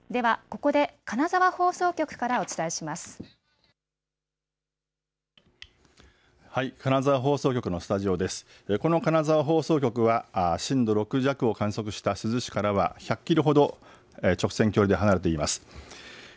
この金沢放送局は震度６弱を観測した珠洲市からは１００キロほど直線距離で離れています。